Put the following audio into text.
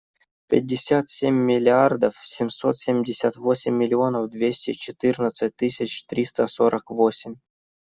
Пятьдесят семь миллиардов семьсот семьдесят восемь миллионов двести четырнадцать тысяч триста сорок восемь.